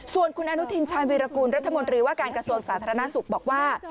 ส่วนคุณอนุทินชาญวีรกูลรัฐมนตรีว่าการกระทรวงสาธารณสุขบอกว่า